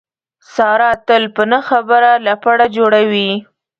ساره تل په نه خبره لپړه جوړوي.